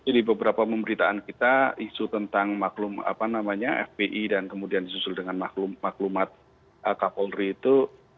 jadi beberapa pemberitaan kita isu tentang fpi dan kemudian disusul dengan maklumat kapolri itu